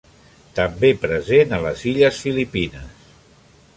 També present a les Illes Filipines.